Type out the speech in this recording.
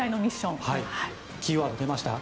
キーワード出ました。